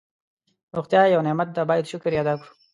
روغتیا یو نعمت ده باید شکر یې ادا کړو.